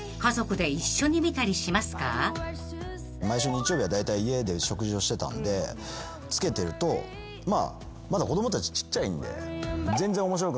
毎週日曜日はだいたい家で食事をしてたんでつけてるとまだ子供たちちっちゃいんで。